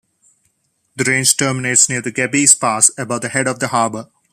The range terminates near Gebbies Pass above the head of the harbour.